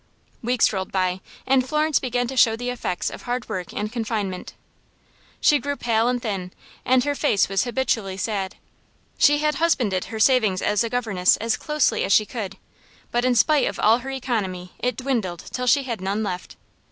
Weeks rolled by, and Florence began to show the effects of hard work and confinement. She grew pale and thin, and her face was habitually sad. She had husbanded her savings as a governess as closely as she could, but in spite of all her economy it dwindled till she had none left.